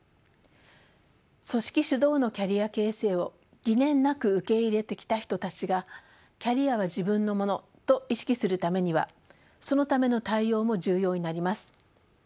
組織主導のキャリア形成を疑念なく受け入れてきた人たちがキャリアは自分のものと意識するためにはそのための対応も重要になります。